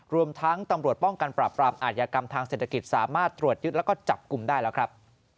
รวมทั้งตำรวจป้องกันปราบปรามอาทยากรรมทางเศรษฐกิจสามารถตรวจยึดแล้วก็จับกลุ่มได้แล้วครับ